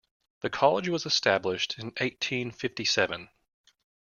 The college was established in eighteen fifty seven.